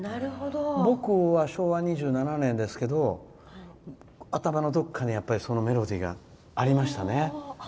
僕は昭和２７年ですけど頭のどこかにそのメロディーがありましたね。